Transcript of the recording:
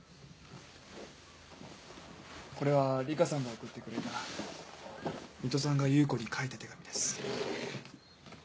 これは梨花さんが送ってくれた水戸さんが優子に書いた手紙です。